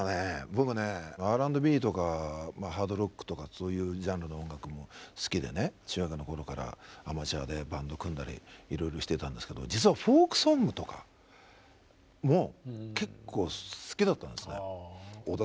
僕ねＲ＆Ｂとかハードロックとかそういうジャンルの音楽も好きでね中学の頃からアマチュアでバンド組んだりいろいろしてたんですけど実はフォークソングとかも結構好きだったんですね。